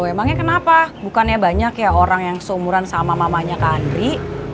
emangnya kenapa bukannya banyak ya orang yang seumuran sama mamanya kak andri